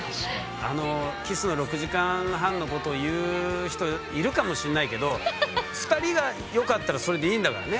あのキスの６時間半のこと言う人いるかもしんないけど２人がよかったらそれでいいんだからね。